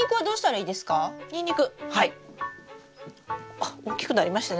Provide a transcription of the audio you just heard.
あっ大きくなりましたね。